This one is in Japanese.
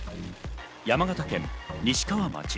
山形県西川町。